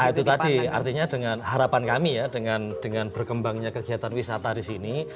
ya itu tadi artinya dengan harapan kami ya dengan berkembangnya kegiatan wisata di sini